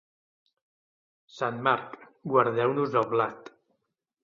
Sant Marc, guardeu-nos el blat.